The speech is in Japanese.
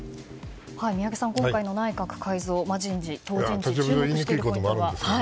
宮家さん、今回の内閣改造人事、注目しているポイントは。